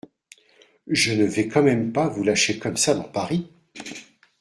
Je ne vais quand même pas vous lâcher comme ça dans Paris !